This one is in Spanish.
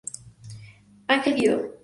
Ángel Guido.